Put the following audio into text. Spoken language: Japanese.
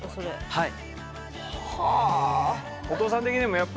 はい。